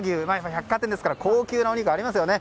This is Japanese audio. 百貨店ですから高級なお肉、ありますよね。